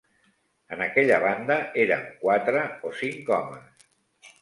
En aquella banda érem quatre o cinc homes.